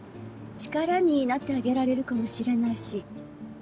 力になってあげられるかもしれないし。